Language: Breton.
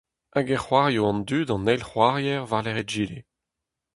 Hag e c'hoario an dud an eil c'hoarier war-lerc'h egile.